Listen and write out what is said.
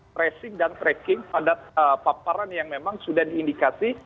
tracing dan tracking pada paparan yang memang sudah diindikasi